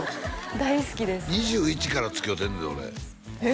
大好きです２１からつきおうてんねんで俺えっ！